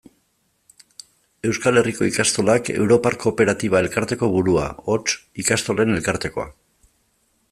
Euskal Herriko Ikastolak europar kooperatiba-elkarteko burua, hots, Ikastolen Elkartekoa.